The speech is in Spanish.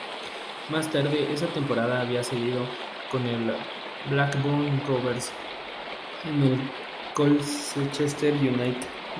Más tarde esa temporada había cedido con el Blackburn Rovers y el Colchester United.